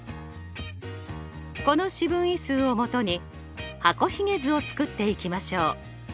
この四分位数を基に箱ひげ図を作っていきましょう。